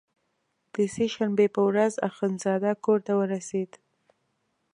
د سې شنبې په ورځ اخندزاده کورته ورسېد.